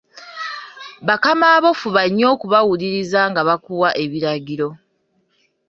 Bakamaabo fuba nnyo okubawuliririza nga bakuwa ebiragiro.